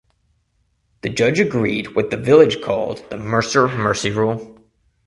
The judge agreed what the village called the "Mercer Mercy Rule".